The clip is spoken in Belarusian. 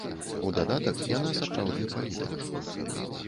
У дадатак, яна сапраўдны палітык.